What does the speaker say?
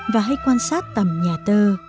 và hay quan sát tầm nhà tơ